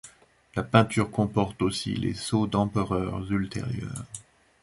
La peinture comporte aussi les sceaux d'empereurs ultérieurs.